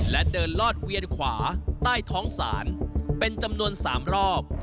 และเดินลอดเวียนขวาใต้ท้องศาลเป็นจำนวน๓รอบ